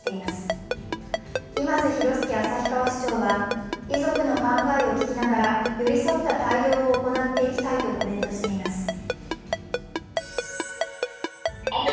旭川市長は遺族の考えを聞きながら寄り添った対応を行っていきたいとコメントしています。